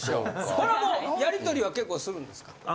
これはもうやり取りは結構するんですか？